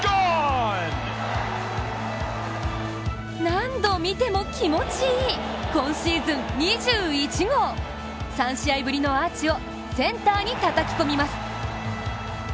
何度見ても気持ちいい今シーズン２１号３試合ぶりのアーチをセンターに叩き込みます。